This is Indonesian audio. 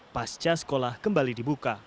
pasca sekolah kembali dibuka